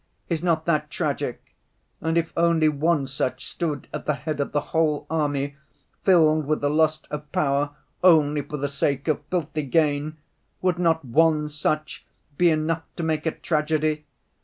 Is not that tragic? And if only one such stood at the head of the whole army 'filled with the lust of power only for the sake of filthy gain'—would not one such be enough to make a tragedy?